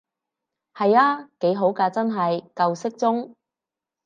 係啊，幾好㗎真係，夠適中